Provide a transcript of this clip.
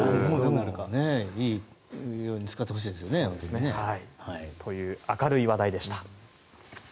いいように使ってほしいですよね。という明るい話題でした。